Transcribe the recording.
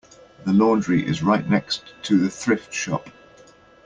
The laundry is right next to the thrift shop.